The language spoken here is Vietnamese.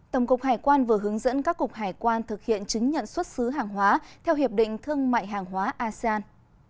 tổng cục hải quan vừa hướng dẫn các cục hải quan thực hiện chứng nhận xuất xứ hàng hóa theo hiệp định thương mại hàng hóa asean